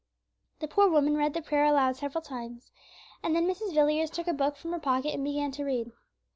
The poor woman read the prayer aloud several times, and then Mrs. Villiers took a book from her pocket and began to read.